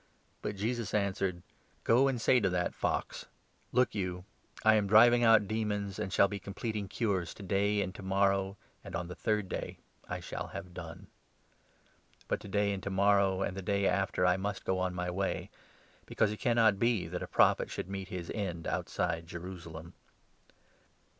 But Jesus answered :" Go and say to that fox ' Look you, I am driving out demons and shall be completing cures to day and to morrow, and on the third day I shall have done.' But to day and to morrow and the day after I must go on my way, because it cannot be that a Prophet should meet his end outside Jerusalem.